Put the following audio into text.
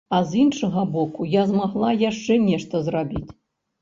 А з іншага боку, я змагла яшчэ нешта зрабіць.